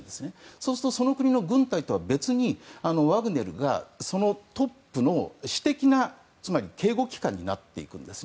そうするとその国の軍隊とは別にワグネルがそのトップの私的な、つまり警護機関になっていくわけです。